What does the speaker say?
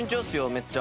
めっちゃ。